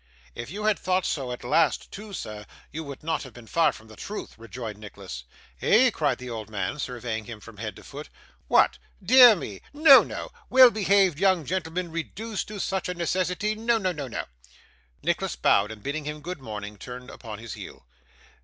'If you had thought so at last, too, sir, you would not have been far from the truth,' rejoined Nicholas. 'Eh?' cried the old man, surveying him from head to foot. 'What! Dear me! No, no. Well behaved young gentleman reduced to such a necessity! No no, no no.' Nicholas bowed, and bidding him good morning, turned upon his heel.